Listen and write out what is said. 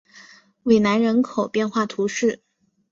韦南人口变化图示